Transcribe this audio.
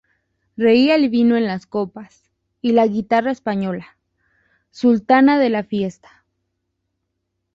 reía el vino en las copas, y la guitarra española, sultana de la fiesta